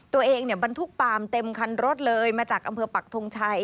ตัวเองเนี่ยบรรทุกปาล์มเต็มคันรถเลยมาจากอำเภอปักทงชัย